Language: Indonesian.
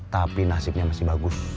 tapi nasibnya masih bagus